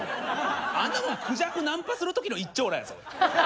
あんなもんクジャクナンパする時の一張羅やぞ。